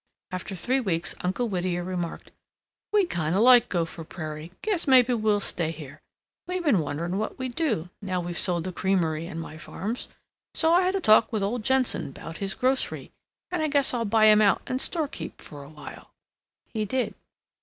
After three weeks Uncle Whittier remarked, "We kinda like Gopher Prairie. Guess maybe we'll stay here. We'd been wondering what we'd do, now we've sold the creamery and my farms. So I had a talk with Ole Jenson about his grocery, and I guess I'll buy him out and storekeep for a while." He did.